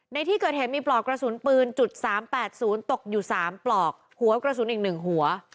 ในที่เกิดเหตุมีปลอกกระสุนปืน๓๘๐ตกอยู่๓ปลอกหัวกระสุนอีก๑หัว